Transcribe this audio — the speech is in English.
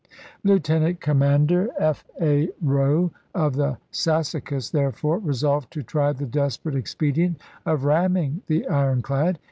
Lieutenant Commander THE ALBEMARLE 43 F. A. Roe, of the Sassacus, therefore resolved to chap.il try the desperate expedient of ramming the iron clad.